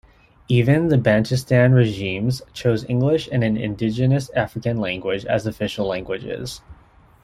Even the Bantustan regimes chose English and an indigenous African language as official languages.